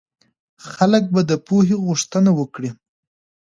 خلک به د پوهې غوښتنه وکړي.